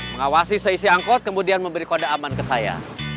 mengawasi seisi angkot kemudian memberi kode aman ke saya